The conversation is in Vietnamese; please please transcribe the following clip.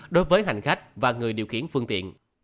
đối với hành khách và người điều khiển phương tiện